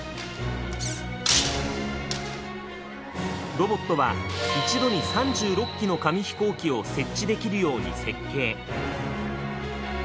ロボットは一度に３６機の紙飛行機を設置できるように設計。